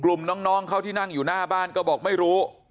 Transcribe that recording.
น้องเขาที่นั่งอยู่หน้าบ้านก็บอกไม่รู้